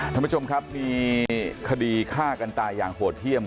ท่านผู้ชมครับมีคดีฆ่ากันตายอย่างโหดเยี่ยม